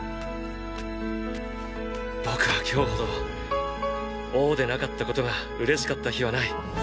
僕は今日ほど王でなかったことが嬉しかった日はない。